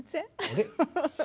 えっ？